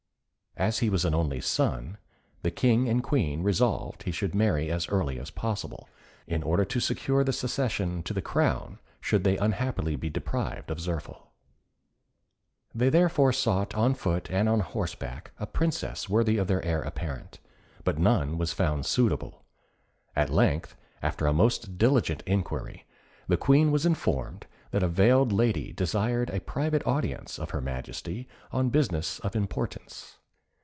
As he was an only son, the King and Queen resolved he should marry as early as possible, in order to secure the succession to the crown should they unhappily be deprived of Zirphil. They therefore sought on foot and on horseback a Princess worthy of the heir apparent, but none was found suitable. At length, after a most diligent inquiry, the Queen was informed that a veiled lady desired a private audience of her Majesty, on business of importance.